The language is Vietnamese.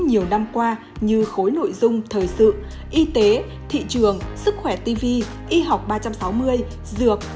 nhiều năm qua như khối nội dung thời sự y tế thị trường sức khỏe tv y học ba trăm sáu mươi dược